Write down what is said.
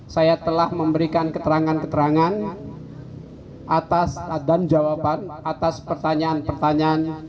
saya telah memberikan keterangan keterangan atas dan jawaban atas pertanyaan pertanyaan